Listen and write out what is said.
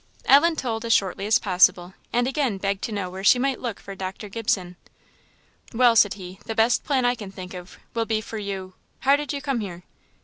Ellen told as shortly as possible, and again begged to know where she might look for Dr. Gibson. "Well," said he, "the best plan I can think of, will be for you how did you come here?"